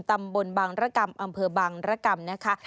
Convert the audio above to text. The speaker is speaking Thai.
ตำบลบางรกรรมอำเภอบางรกรรมนะคะ